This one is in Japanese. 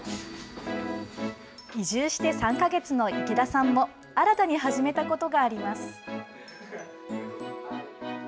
移住して３か月の池田さんも新たに始めたことがあります。